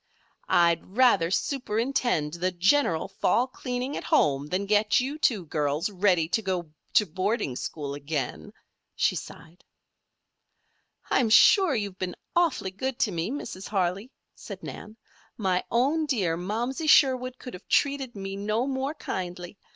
"I'd rather superintend the general fall cleaning at home than get you two girls ready to go to boarding school again," she sighed. "I'm sure you've been awfully good to me, Mrs. Harley," said Nan. "My own dear Momsey Sherwood could have treated me no more kindly.